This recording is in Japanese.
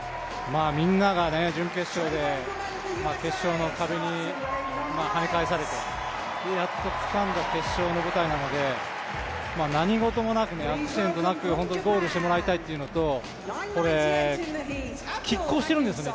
みんなが準決勝で決勝の壁に跳ね返されてやっとつかんだ決勝の舞台なので何事もなく、アクシデントなくゴールしてもらいたいというのときっ抗しているんですね、